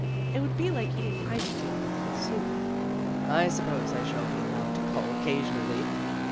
It would be like eating ice cream with soup." "I suppose I shall be allowed to call oc casionally.